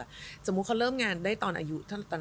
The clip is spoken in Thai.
สมมุติว่าเขาเริ่มงานได้ตอนอายุ๒๒๒๓